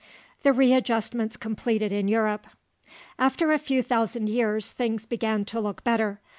THE READJUSTMENTS COMPLETED IN EUROPE After a few thousand years, things began to look better.